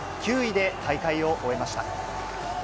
９位で大会を終えました。